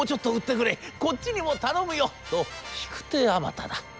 『こっちにも頼むよ』と引く手あまただ。